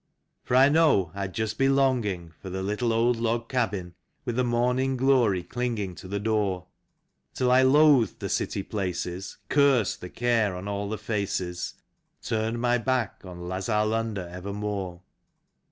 54 THE RHYME OF THE REMITTANCE MAN. For I know I'd just be longing for the little old log cabin, With the morning glory clinging to the door, Till I loathed the city places, cursed the care on all the faces. Turned my back on lazar London evermore.